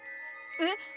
えっ？